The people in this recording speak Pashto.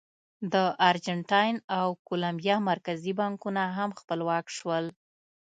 د ارجنټاین او کولمبیا مرکزي بانکونه هم خپلواک شول.